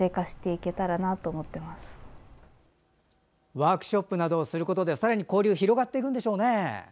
ワークショップなどをすることでさらに交流広がっていくんでしょうね。